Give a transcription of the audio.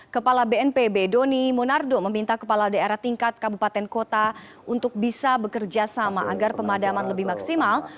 kepala bnpb doni monardo meminta kepala daerah tingkat kabupaten kota untuk bisa bekerja sama agar pemadaman lebih maksimal